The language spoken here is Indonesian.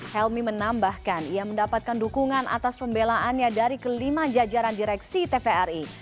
helmi menambahkan ia mendapatkan dukungan atas pembelaannya dari kelima jajaran direksi tvri